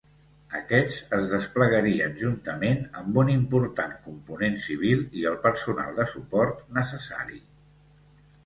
Aquests es desplegarien juntament amb un important component civil i el personal de suport necessari.